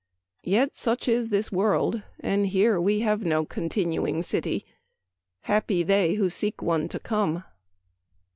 Yet such is this world, and here we have no continuing city. Happy they who seek one to come